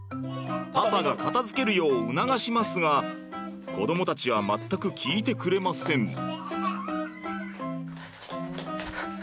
パパが片づけるよう促しますが子どもたちは全く聞いてくれません。